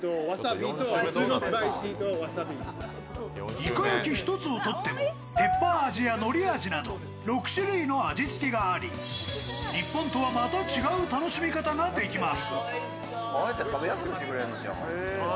いか焼き１つをとっても、ペッパー味やのり味など６種類の味付けがあり日本とはまた違う楽しみ方ができます。